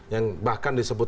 yang bahkan disebut